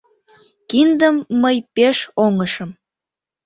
Киндым мый пеш оҥышым